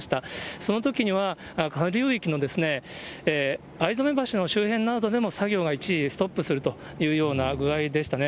そのときには下流域の逢初橋の周辺などでも作業が一時ストップするというような具合でしたね。